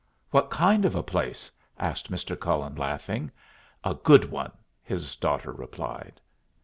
"What kind of a place?" asked Mr. Cullen, laughing. "A good one," his daughter replied.